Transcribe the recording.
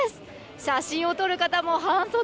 写真を撮る方も半袖。